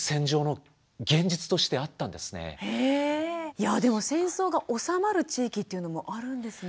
いやぁでも戦争が収まる地域っていうのもあるんですね。